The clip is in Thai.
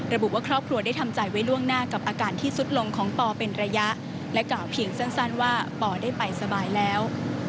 ระบุว่าครอบครัวได้ทำใจไว้ล่วงหน้ากับอาการที่สุดลงของปอเป็นระยะและกล่าวเพียงสั้นว่าปอได้ไปสบายแล้ว